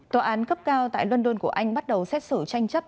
tòa án cấp cao tại london của anh bắt đầu xét xử tranh chấp